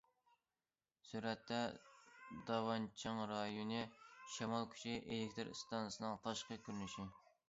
سۈرەتتە: داۋانچىڭ رايونى شامال كۈچى ئېلېكتىر ئىستانسىسىنىڭ تاشقى كۆرۈنۈشى.